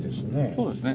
そうですね。